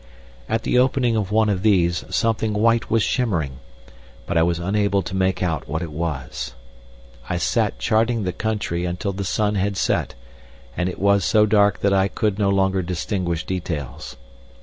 At the opening of one of these something white was shimmering, but I was unable to make out what it was. I sat charting the country until the sun had set and it was so dark that I could no longer distinguish details.